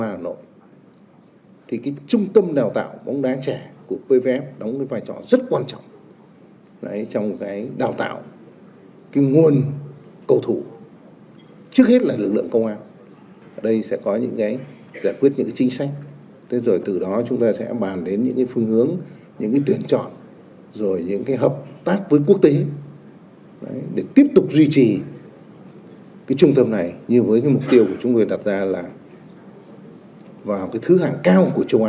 bộ trưởng tô lâm khẳng định định hướng phát triển bóng đá trẻ phát triển phong trào thể dục thể thao thành tích cao